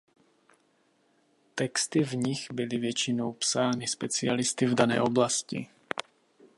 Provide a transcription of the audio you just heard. Texty v nich byly většinou psány specialisty v dané oblasti.